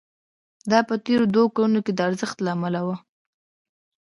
دا په تېرو دوو کلونو کې د ارزښت له امله وو